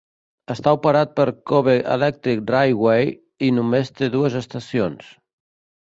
Està operat per Kobe Electric Railway i només té dues estacions.